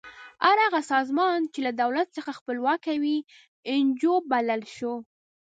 هر هغه سازمان چې له دولت څخه خپلواک وي انجو بللی شو.